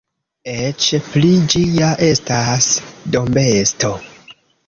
Eĉ pli: ĝi ja estas dombesto.